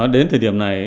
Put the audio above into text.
đến thời điểm này